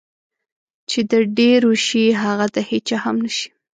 چې د ډېرو شي هغه د هېچا هم نشي.